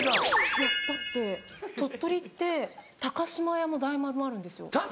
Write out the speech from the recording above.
いやだって鳥取って島屋も大丸もあるんですよ。